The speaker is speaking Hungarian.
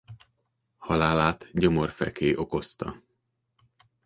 Halálát gyomorfekély okozta.